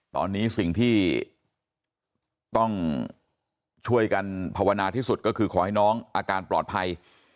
ตอนนี้สิ่งที่ต้องช่วยกันภาวนาที่สุดก็คือขอให้น้องอาการปลอดภัย